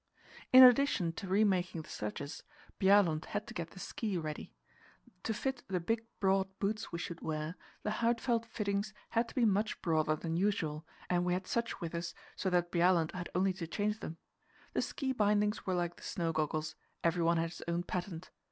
In addition to remaking the sledges, Bjaaland had to get the ski ready. To fit the big, broad boots we should wear, the Huitfeldt fittings had to be much broader than usual, and we had such with us, so that Bjaaland had only to change them. The ski bindings were like the snow goggles; everyone had his own patent.